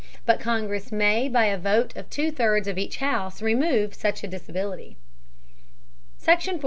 But Congress may by a vote of two thirds of each House, remove such disability. SECTION 4.